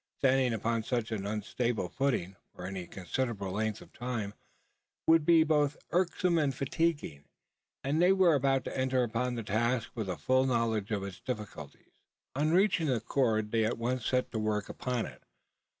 Standing upon such unstable footing, for any considerable length of time, would be both irksome and fatiguing; and they were about to enter upon the task with a full knowledge of its difficulties. On reaching the cord they at once set to work upon it.